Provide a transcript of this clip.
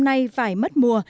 nay vải mất mùa